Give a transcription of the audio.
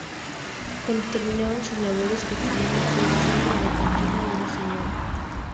Cuando terminaban sus labores cotidianas regresaban a la Cantina de la Sra.